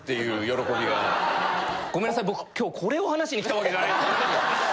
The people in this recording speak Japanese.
ごめんなさい僕今日これを話しに来たわけじゃない。